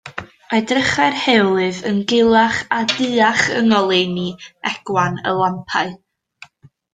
Edrychai'r heolydd yn gulach a duach yng ngoleuni egwan y lampau.